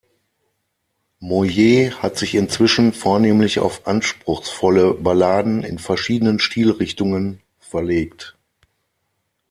Moyet hat sich inzwischen vornehmlich auf anspruchsvolle Balladen in verschiedenen Stilrichtungen verlegt.